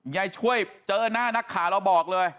ยายช่วยเจอหน้านักข่าวเราบอกเลย